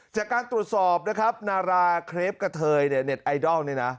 จากการตรวจสอบนาราเคลปกะเทยเน็ตไอดอล